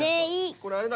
これあれだ。